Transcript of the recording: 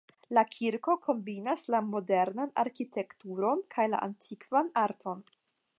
La kirko kombinas la modernan arkitekturon kaj la antikvan arton.